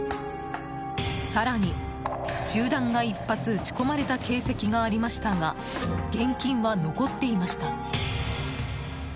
更に、銃弾が１発撃ち込まれた形跡がありましたが現金は残っていました。